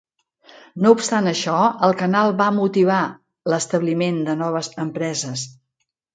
No obstant això, el canal va motivar l'establiment de noves empreses.